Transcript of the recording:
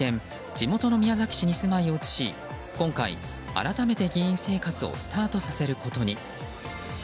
地元の宮崎市に住まいを移し今回、改めて議員生活をスタートさせることに。